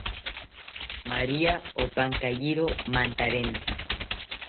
Maria opankayiro mantarentzi